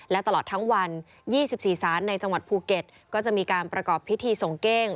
และตลอดทั้งวัน๒๔สารในจังหวัดภูเก็ตก็จะมีการประกอบพิธีส่งเก้ง